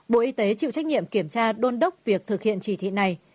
bộ y tế chịu trách nhiệm kiểm tra đôn đốc việc thực hiện chỉ thị này